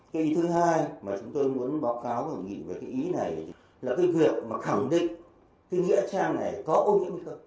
cái ý thứ hai mà chúng tôi muốn báo cáo và nghĩ về cái ý này là cái việc mà khẳng định cái nghĩa trang này có ô nhiễm cơ